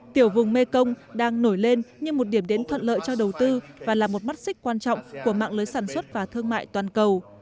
tiểu vùng mekong đang nổi lên như một điểm đến thuận lợi cho đầu tư và là một mắt xích quan trọng của mạng lưới sản xuất và thương mại toàn cầu